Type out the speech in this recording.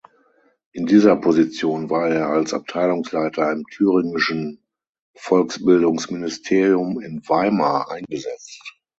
In dieser Position war er als Abteilungsleiter im Thüringischen Volksbildungsministerium in Weimar eingesetzt.